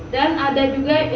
dan ada juga